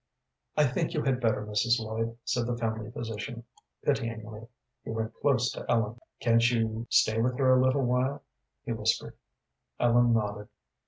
"I think you had better, Mrs. Lloyd," said the family physician, pityingly. He went close to Ellen. "Can't you stay with her a little while?" he whispered. Ellen nodded.